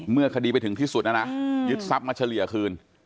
เมื่อคดีไปถึงที่สุดนะนะยึดทรัพย์มาเฉลี่ยคืน